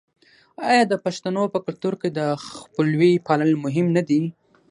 آیا د پښتنو په کلتور کې د خپلوۍ پالل مهم نه دي؟